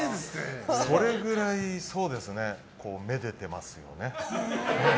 それぐらい、めでてますよね。